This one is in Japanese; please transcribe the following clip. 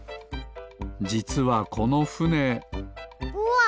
じつはこのふねうわっ！